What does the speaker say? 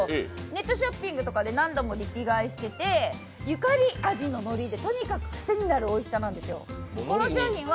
ネットショッピングとかで何度もリピ買いしてて、ゆかり味ののりでとにかく癖になるおいしさなんですよ。